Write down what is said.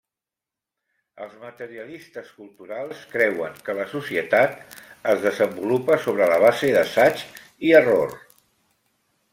Els materialistes culturals creuen que la societat es desenvolupa sobre la base d'assaig i error.